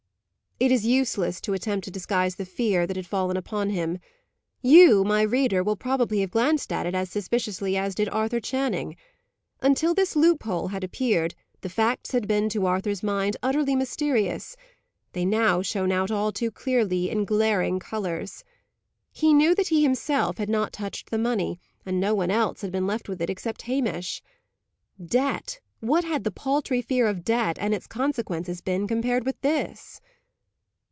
It is useless to attempt to disguise the fear that had fallen upon him. You, my reader, will probably have glanced at it as suspiciously as did Arthur Channing. Until this loophole had appeared, the facts had been to Arthur's mind utterly mysterious; they now shone out all too clearly, in glaring colours. He knew that he himself had not touched the money, and no one else had been left with it, except Hamish. Debt! what had the paltry fear of debt and its consequences been compared with this?